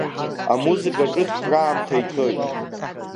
Амузыка ҿыц краамҭа ицоит.